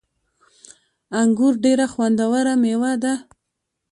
انګور ډیره خوندوره میوه ده